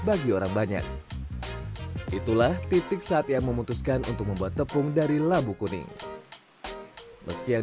bagi orang banyak itulah titik saat ia memutuskan untuk membuat tepung dari labu kuning meski yang